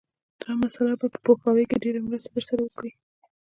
دا مسأله به په پوهاوي کې ډېره مرسته در سره وکړي